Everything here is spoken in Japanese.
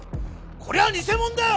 これは偽物だよ！